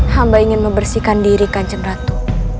hamba ingin membersihkan diri kanjeng ratu